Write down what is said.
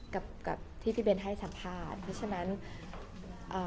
กับกับที่พี่เบนให้สัมภาษณ์เพราะฉะนั้นเอ่อ